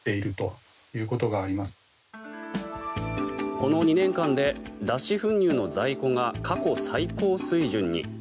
この２年間で脱脂粉乳の在庫が過去最高水準に。